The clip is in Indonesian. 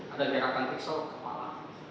ada kerakan piksel kepala